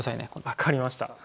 分かりました！